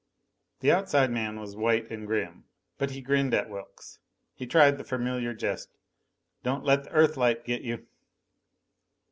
The outside man was white and grim, but he grinned at Wilks. He tried the familiar jest: "Don't let the Earthlight get you!"